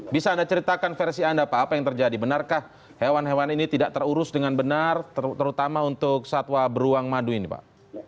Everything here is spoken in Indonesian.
bisa anda ceritakan versi anda pak apa yang terjadi benarkah hewan hewan ini tidak terurus dengan benar terutama untuk satwa beruang madu ini pak